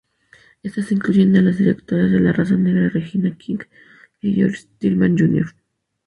Estas incluyen a las directoras de raza negra Regina King y George Tillman, Jr.